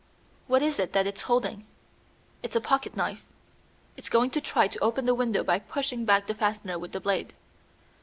"What is it that it's holding?" "It's a pocket knife. It's going to try to open the window by pushing back the fastener with the blade."